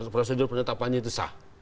prosedur penetapannya itu sah